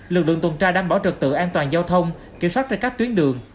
lực lượng tuần tra đảm bảo trật tự an toàn giao thông kiểm soát ra các tuyến đường